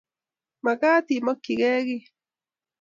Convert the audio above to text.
Magaat imakchingee kiy